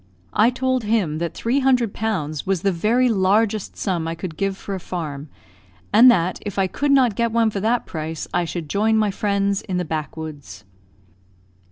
I told him that 300 pounds was the very largest sum I could give for a farm, and that, if I could not get one for that price, I should join my friends in the backwoods.